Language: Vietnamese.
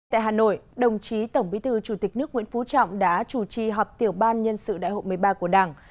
tại hà nội đồng chí tổng bí thư chủ tịch nước nguyễn phú trọng đã chủ trì họp tiểu ban nhân sự đại hội một mươi ba của đảng